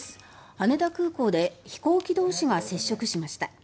羽田空港で飛行機同士が接触しました。